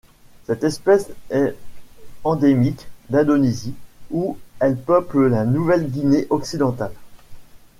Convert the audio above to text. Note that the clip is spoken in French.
Cette espèce est endémique d'Indonésie où elle peuple la Nouvelle-Guinée occidentale.